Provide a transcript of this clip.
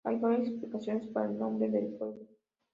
Hay varias explicaciones para el nombre del pueblo.